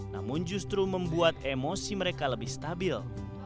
namun justru membuat emosi mereka lebih stabil